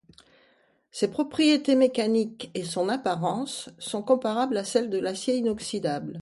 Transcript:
Ses propriétés mécaniques et son apparence sont comparables à celles de l'acier inoxydable.